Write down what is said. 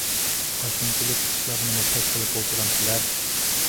ئاشۇنچىلىك ئىشلارنىمۇ پەش قىلىپ ئولتۇرامسىلەر؟